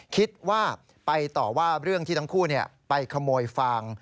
คิดว่าไปต่อว่าเรื่องที่ทั้งคู่ไปขโมยฟาง